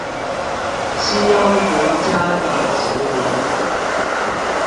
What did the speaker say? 西歐國家的殖民